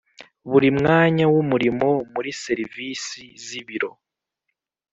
Buri mwanya w umurimo muri serivisi z ibiro